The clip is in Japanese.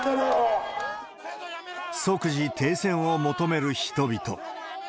即時停戦を求める人々。